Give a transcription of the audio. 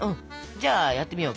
じゃあやってみよう。